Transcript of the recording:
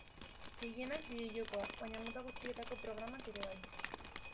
Gehienak bideo-jokoak, baina mota guztietako programak ere bai.